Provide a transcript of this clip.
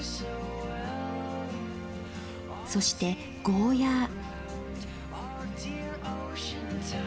そしてゴーヤー。